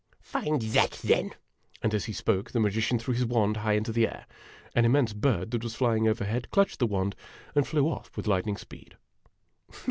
" Find that, then !" And, as he spoke, the magician threw his wand high into the air. An immense bird that was flying overhead clutched the wand, and flew oft" with lightning speed.